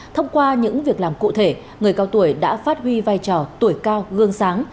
thông qua những việc làm cụ thể người cao tuổi đã phát huy vai trò tuổi cao gương sáng